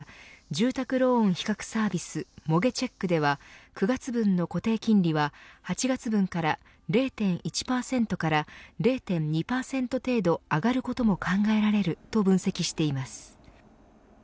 住宅ローンの固定金利は長期金利の水準を反映することから住宅量を比較サービスモゲチェックでは９月分の固定金利は８月分から０．１％から０．２％程度上がることも考えられると分析しています。